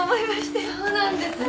そうなんですね。